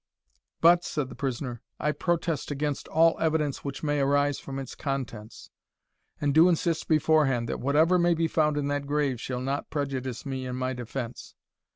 "But," said the prisoner, "I protest against all evidence which may arise from its contents, and do insist beforehand, that whatever may be found in that grave shall not prejudice me in my defence.